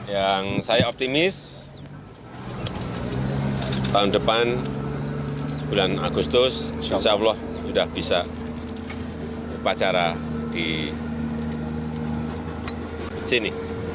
yang saya optimis tahun depan bulan agustus insyaallah sudah bisa upacara di sini